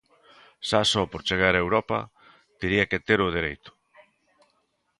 Xa só por chegar a Europa, tería que ter o dereito.